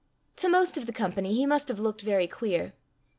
To most of the company he must have looked very queer.